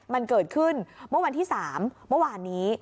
มันเกิดขึ้นเมื่อวันที่๓เมื่อวานนี้